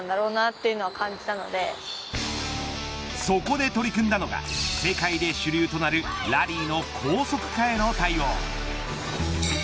そこで取り組んだのが世界で主流となるラリーの高速化への対応。